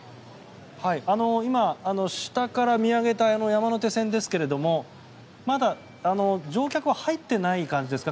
今、下から見上げた山手線ですけれどもまだ乗客は入ってない感じですか？